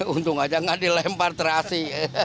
untung aja nggak dilempar terasi